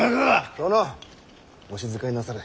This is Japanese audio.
殿お静かになされ。